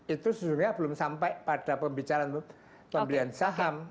itu sejujurnya belum sampai pada pembicaraan pembelian saham